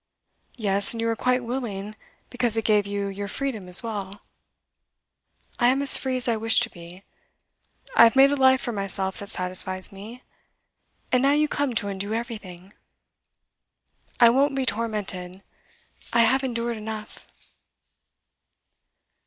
'Yes, and you were quite willing, because it gave you your freedom as well. I am as free as I wish to be. I have made a life for myself that satisfies me and now you come to undo everything. I won't be tormented I have endured enough.